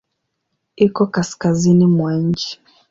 Iko kaskazini mwa nchi.